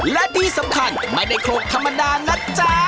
และที่สำคัญไม่ได้โครงธรรมดานะจ๊ะ